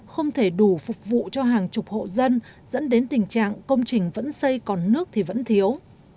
không thể đủ phục vụ cho hàng chục hộ dân dẫn đến tình trạng công trình vẫn xây còn nước thì vẫn thiếu